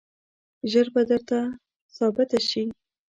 ژر به درته ثابته شي.